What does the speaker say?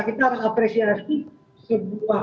kita harus apresiasi sebuah